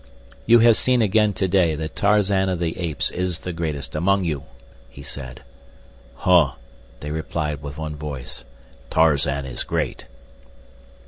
"You have seen again to day that Tarzan of the Apes is the greatest among you," he said. "Huh," they replied with one voice, "Tarzan is great."